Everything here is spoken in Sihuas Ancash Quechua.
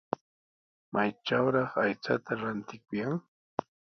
¿Maytrawraq aychata rantikuyan?